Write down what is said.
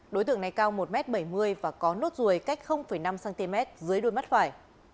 đối tượng này cao một m bảy mươi và có nốt ruồi cách năm cm dưới đuôi mắt phải